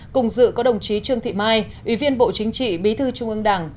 cùng dự có đồng chí trương thị mai ủy viên bộ chính trị bí thư trung ương đảng